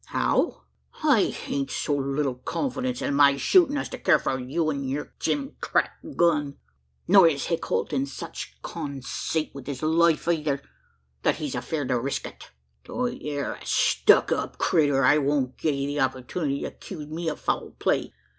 "How?" "I hain't so little confidence in my shootin' as to care for you an' yur jim crack gun! Nor is Hick Holt in such consate wi' his life eyther, that he's afeerd to risk it. Tho' ye air a stuck up critter, I won't gi' ye the opportunity to 'kuse me o' foul play.